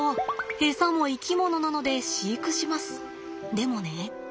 でもね。